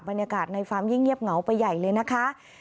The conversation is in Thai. บรรยากาศในฟาร์มยิ่งเงียบเหงาไปใหญ่เลยนะคะ